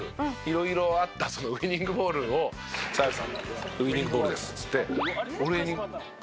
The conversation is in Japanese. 色々あったそのウイニングボールを「澤部さんウイニングボールです」っつって俺にくれたのバッて。